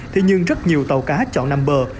thì nhưng rất nhiều tàu cá chọn nằm bờ